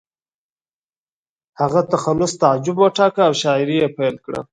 هغه تخلص تعجب وټاکه او شاعري یې پیل کړه